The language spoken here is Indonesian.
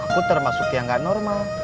aku termasuk yang gak normal